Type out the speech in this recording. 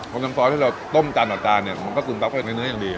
เพราะน้ำซอสที่เราต้มจานต่อจานเนี่ยมันก็ซึมซับเข้าไปในเนื้ออย่างดี